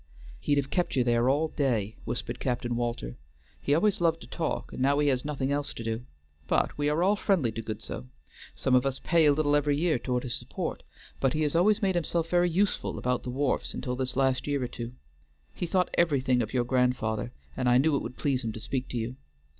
"He'd have kept you there all day," whispered Captain Walter. "He always loved to talk, and now he has nothing else to do; but we are all friendly to Goodsoe. Some of us pay a little every year toward his support, but he has always made himself very useful about the wharves until this last year or two; he thought everything of your grandfather, and I knew it would please him to speak to you.